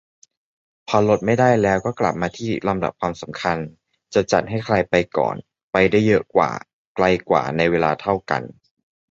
พอลดไม่ได้แล้ว ก็กลับมาที่ลำดับความสำคัญ จะจัดให้ใครไปก่อน-ไปได้เยอะกว่า-ไกลกว่าในเวลาเท่ากัน